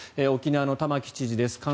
沖縄の玉城知事です。